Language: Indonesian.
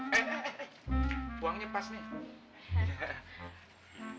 eh eh eh uangnya pas nih